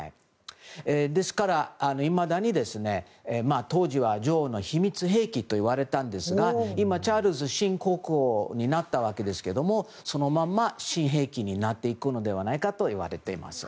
ですからいまだに当時は女王の秘密兵器といわれたんですが今、チャールズ新国王になったわけですけれどもそのまま新兵器になっていくのではないかといわれています。